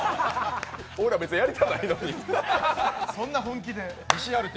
僕ら別にやりたないのに。